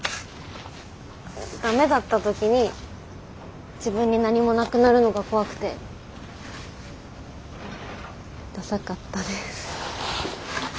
ダメだった時に自分に何もなくなるのが怖くてダサかったです。